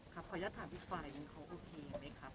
ค่ะขออย่าถามอีกฝ่ายมิ้นท์เขาพูดรู้มั้ยครับ